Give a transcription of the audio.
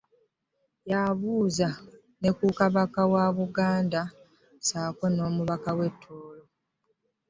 Yambuuza ne ku Kabaka wa Buganda ssaako Omukama w'e Tooro.